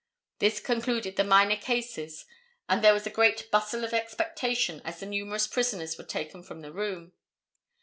This concluded the minor cases and there was a great bustle of expectation as the numerous prisoners were taken from the room.